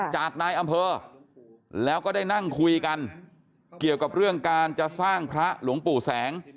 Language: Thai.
จากนายอำเภอแล้วก็ได้นั่งคุยกันเกี่ยวกับเรื่องการจะสร้างพระหลวงปู่แสง